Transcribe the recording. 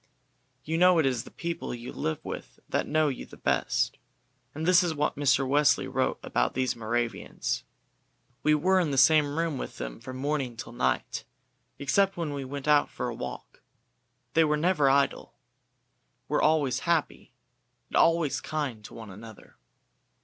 You know it is the people you live with that know you the best, and this is what Mr. Wesley wrote about these Moravians. "We were in the same room with them from morning till night, except when we went out for a walk. They were never idle, were always happy, and always kind to one another.